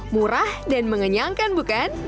murah dan mengenyangkan bukan